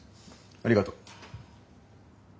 ありがとう。